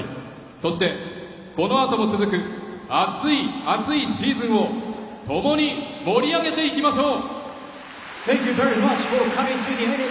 そして、このあとも続く熱い熱いシーズンをともに盛り上げていきましょう！